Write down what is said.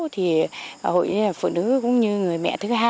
thì hội liên hiệp phụ nữ cũng như người mẹ thứ hai